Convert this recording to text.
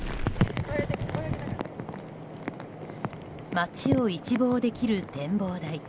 町を一望できる展望台。